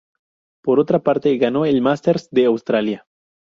Por otra parte, ganó el Masters de Australia.